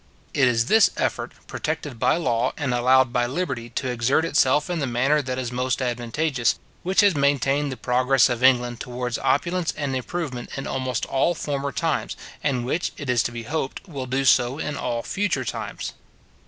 It is this effort, protected by law, and allowed by liberty to exert itself in the manner that is most advantageous, which has maintained the progress of England towards opulence and improvement in almost all former times, and which, it is to be hoped, will do so in all future times.